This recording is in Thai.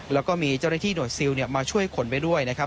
แล้วก็มีเจ้าหน้าที่หน่วยซิลมาช่วยขนไปด้วยนะครับ